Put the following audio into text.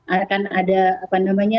akan ada apa namanya